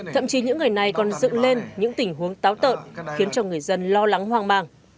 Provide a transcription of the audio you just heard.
thậm chí những người này còn dựng lên những tình huống táo tợn khiến cho người dân lo lắng hoang mang